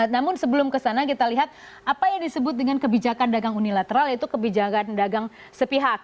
namun sebelum kesana kita lihat apa yang disebut dengan kebijakan dagang unilateral yaitu kebijakan dagang sepihak